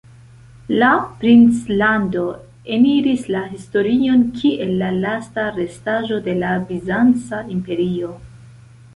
La princlando eniris la historion kiel la lasta restaĵo de la Bizanca Imperio.